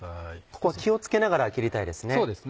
ここは気を付けながら切りたいですね。